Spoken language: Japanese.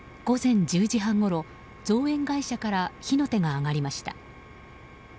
午前１０時半ごろ造園会社から火の手が上がりました。